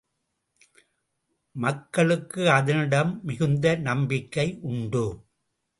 மக்களுக்கு அதனிடம் மிகுந்த நம்பிக்கை உண்டு.